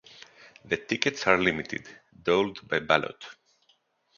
The tickets are limited, doled by ballot.